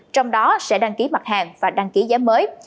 trong đó sẽ đăng ký mặt hàng và đăng ký giá mới